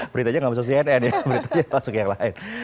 beritanya nggak masuk cnn ya beritanya masuk yang lain